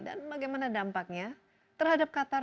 bagaimana dampaknya terhadap qatar